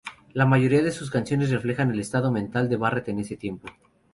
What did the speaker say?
La mayoría de sus canciones reflejan el estado mental de Barrett en ese tiempo.